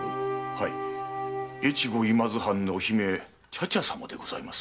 はい越後今津藩の姫茶々様でございます。